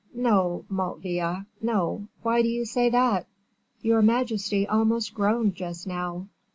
"No, Motteville, no; why do you say that?" "Your majesty almost groaned just now."